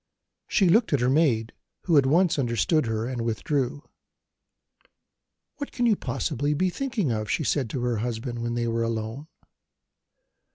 She looked at her maid, who at once understood her, and withdrew. "What can you possibly be thinking of?" she said to her husband, when they were alone.